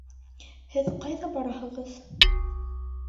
Һеҙ ҡайҙа бараһығыҙ?